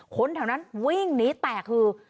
คนแถวนั้นวิ่งหนีแตกคือ